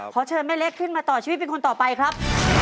ขอเชิญแม่เล็กขึ้นมาต่อชีวิตเป็นคนต่อไปครับ